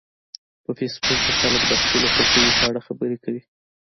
په فېسبوک کې خلک د خپلو خوښیو په اړه خبرې کوي